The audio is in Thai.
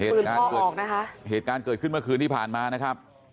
เหตุการณ์เกิดนะคะเหตุการณ์เกิดขึ้นเมื่อคืนที่ผ่านมานะครับ